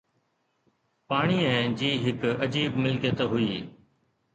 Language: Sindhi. پاڻيءَ جي هڪ عجيب ملڪيت هئي